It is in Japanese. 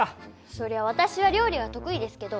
そりゃあ私は料理は得意ですけど。